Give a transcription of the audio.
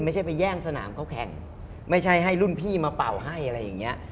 ไม่ใช่ไปแย่งสนามเขาแข่งไม่ใช่ให้รุ่นพี่มาเป่าให้อะไรอย่างเงี้ย